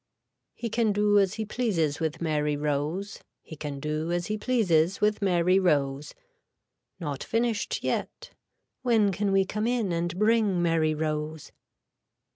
He can do as he pleases with Mary Rose. He can do as he pleases with Mary Rose. Not finished yet. When can we come in and bring Mary Rose.